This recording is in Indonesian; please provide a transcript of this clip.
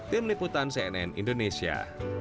tim liputan cnn indonesia